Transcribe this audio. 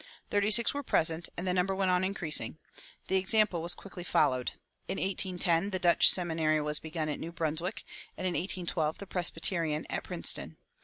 Thirty six were present, and the number went on increasing. The example was quickly followed. In 1810 the Dutch seminary was begun at New Brunswick, and in 1812 the Presbyterian at Princeton.